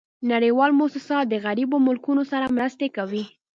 نړیوال موسسات د غریبو مملکتونو سره مرستي کوي